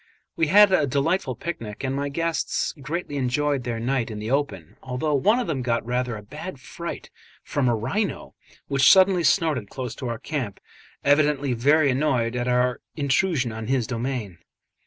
We had a delightful picnic, and my guests greatly enjoyed their night in the open, although one of them got rather a bad fright from a rhino which suddenly snorted close to our camp, evidently very annoyed at our intrusion on his domain.